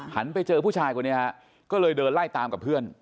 ไปเจอผู้ชายคนนี้ฮะก็เลยเดินไล่ตามกับเพื่อน